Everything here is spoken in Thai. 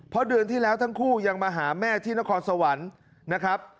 เพราะเดือนที่แล้วทั้งคู่ยังมาหาแม่ที่นครสวรรค์นะครับ